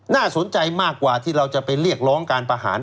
น่าสนใจมากกว่าที่เราจะไปเรียกร้องการประหาร